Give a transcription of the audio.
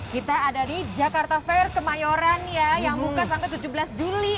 kita ada di jakarta fair kemayoran ya yang buka sampai tujuh belas juli